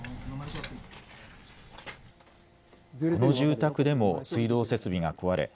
この住宅でも水道設備が壊れ